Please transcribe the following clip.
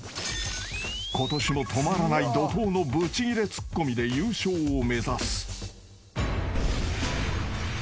［ことしも止まらない怒濤のブチギレツッコミで優勝を目指す］